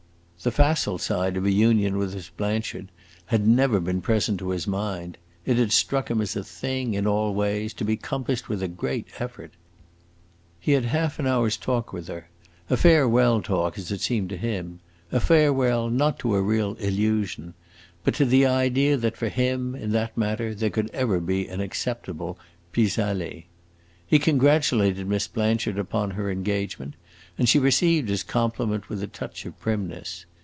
The facile side of a union with Miss Blanchard had never been present to his mind; it had struck him as a thing, in all ways, to be compassed with a great effort. He had half an hour's talk with her; a farewell talk, as it seemed to him a farewell not to a real illusion, but to the idea that for him, in that matter, there could ever be an acceptable pis aller. He congratulated Miss Blanchard upon her engagement, and she received his compliment with a touch of primness.